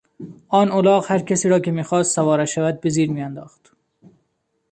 آن الاغ هر کسی را که میخواست سوارش شود به زیر میانداخت.